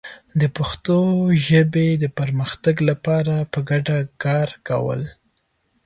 د پښتو ژبې د پرمختګ لپاره په ګډه کار کول